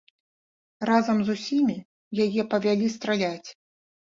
Разам з усімі яе павялі страляць.